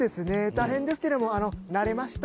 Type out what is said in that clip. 大変ですけども慣れました。